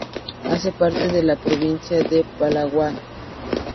Hace parte de la provincia de Palawan.